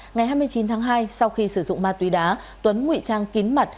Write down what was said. ngày hai mươi chín tháng hai sau khi sử dụng ma túy đá tuấn ngụy trang kín mặt